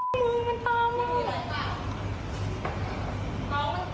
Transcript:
มึงมันตามมา